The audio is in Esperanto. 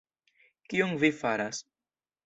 Kion vi faras!..